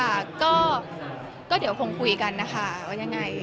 ค่ะก็เดี๋ยวคงคุยกันนะคะว่ายังไง